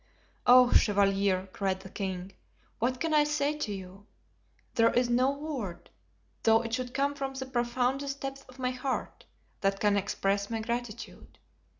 "Oh, chevalier!" cried the king, "what can I say to you? There is no word, though it should come from the profoundest depth of my heart, that can express my gratitude.